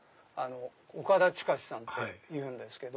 岡田親さんっていうんですけど。